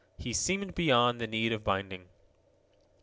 He seemed beyond the need of binding.